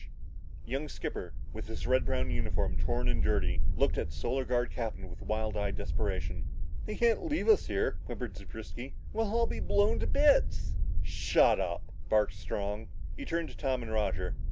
The young skipper, his red brown uniform torn and dirty, looked at the Solar Guard captain with wild eyed desperation. "They can't leave us here," whimpered Zewbriski. "We'll all be blown to bits!" "Shut up!" barked Strong. He turned to Tom and Roger.